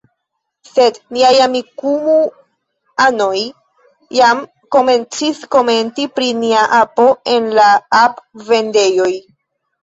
Sed niaj Amikumu-anoj jam komencis komenti pri nia apo en la ap-vendejoj.